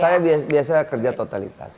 saya biasa kerja totalitas